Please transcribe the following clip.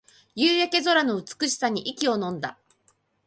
夕焼け空の美しさに息をのんだ